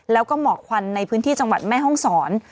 แล้วก็หมอกควันในพื้นที่จังหวัดแม่ห้องศร